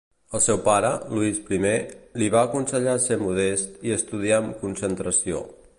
El seu pare, Luis I, li va aconsellar ser modest i estudiar amb concentració.